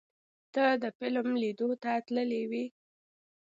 ته د فلم لیدو ته تللی وې؟